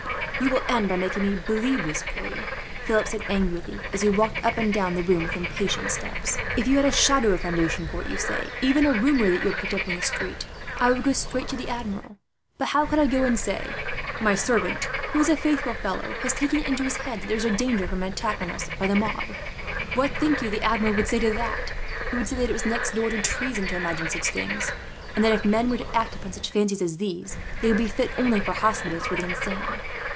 "You will end by making me believe this, Pierre," Philip said angrily, as he again walked up and down the room, with impatient steps. "If you had a shadow of foundation for what you say, even a rumour that you had picked up in the street, I would go straight to the Admiral. But how could I go and say: "'My servant, who is a faithful fellow, has taken it into his head that there is danger from an attack on us by the mob.' "What think you the Admiral would say to that? He would say that it was next door to treason to imagine such things, and that if men were to act upon such fancies as these, they would be fit only for hospitals for the insane.